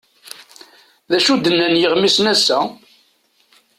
D acu d-nnan yiɣmisen ass-a?